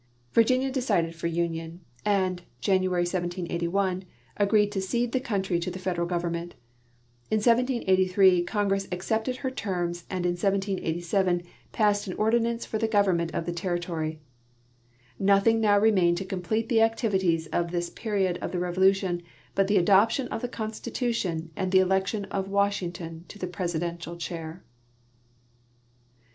Virginia decided for union, and (Januaiy, 1781) agreed to cede the country to the Federal Government. In 1783 Congress accepted her terms, and in 1787 passed an ordinance for the government of the territoiy." Nothing now remained to complete the activities of this period of the Revolution but the adoption of the Constitution and the election of Washington to the i3residential chair.